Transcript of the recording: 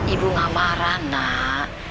ibu gak marah nak